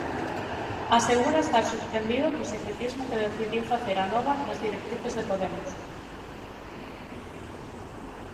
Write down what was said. Asegura estar sorprendido co secretismo que decidiu facer Anova das directrices de Podemos.